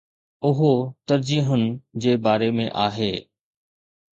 اهو ترجيحن جي باري ۾ آهي.